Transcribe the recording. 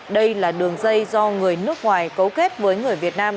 đây là đường dây do người nước ngoài cấu kết với người việt nam